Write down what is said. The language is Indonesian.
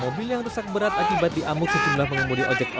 mobil yang rusak berat akibat diamuk sejumlah pengemudi ojek